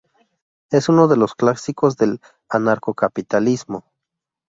Es uno de los clásicos del anarcocapitalismo.